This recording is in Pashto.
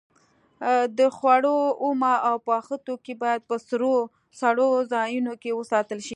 د خوړو اومه او پاخه توکي باید په سړو ځایونو کې وساتل شي.